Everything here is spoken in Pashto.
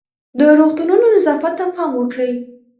د روغتونونو نظافت ته پام وکړئ.